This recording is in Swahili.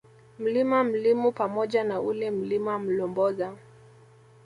Mlima Mlimu pamoja na ule Mlima Mlomboza